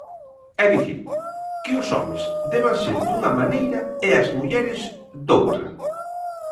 É dicir, que os homes deban ser dunha maneira e as mulleres, doutra.